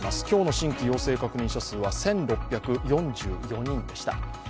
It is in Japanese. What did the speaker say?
今日の新規陽性確認者数は１６４４人でした。